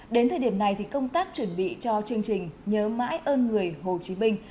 đến thời điểm này công tác chuẩn bị cho chương trình nhớ mãi ơn người hồ chí minh